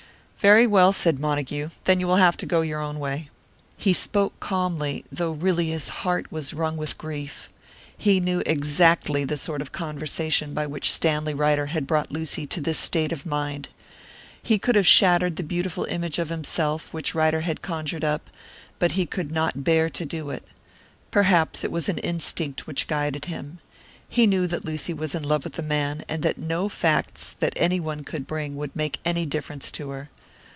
"Very well," said Montague, "then you will have to go your own way." He spoke calmly, though really his heart was wrung with grief. He knew exactly the sort of conversation by which Stanley Ryder had brought Lucy to this state of mind. He could have shattered the beautiful image of himself which Ryder had conjured up; but he could not bear to do it. Perhaps it was an instinct which guided him he knew that Lucy was in love with the man, and that no facts that anyone could bring would make any difference to her.